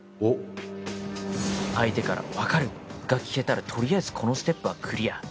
相手から「分かる」が聞けたらとりあえずこのステップはクリア。